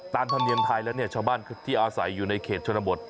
ธรรมเนียมไทยแล้วเนี่ยชาวบ้านที่อาศัยอยู่ในเขตชนบท